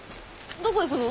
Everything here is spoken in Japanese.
どこ行くの？